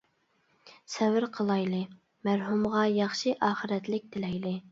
سەۋر قىلايلى، مەرھۇمغا ياخشى ئاخىرەتلىك تىلەيلى.